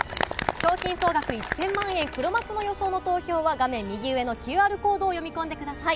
賞金総額１０００万円、黒幕の予想の投票は、画面右上のＱＲコードを読み込んでください。